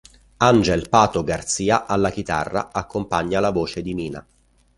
Angel "Pato" Garcia alla chitarra accompagna la voce di Mina.